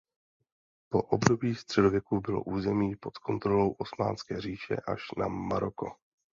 Po období středověku bylo území pod kontrolou Osmanské říše až na Maroko.